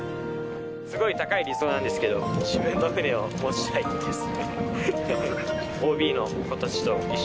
すごい高い理想なんですけど自分の船を持ちたいですね。